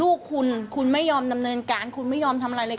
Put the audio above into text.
ลูกคุณคุณไม่ยอมดำเนินการคุณไม่ยอมทำอะไรเลย